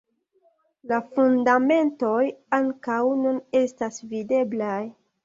La fundamentoj ankaŭ nun estas videblaj.